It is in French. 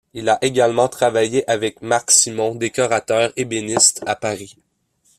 Il a également travaillé avec Marc Simon, décorateur-ébéniste à Paris.